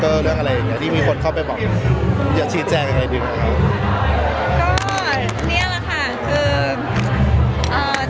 ชอบมีอะไรก็ไม่รู้ที่แบบมนต์กลับมานายเป็นที่เคยบอกอ่ะก็ใครจะไปทำอะไรกัน